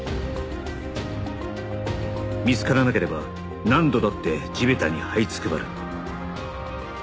見つからなければ何度だって地べたに這いつくばる